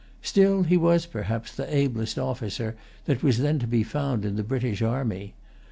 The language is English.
Still he was perhaps the ablest officer that was then to be found in the British army.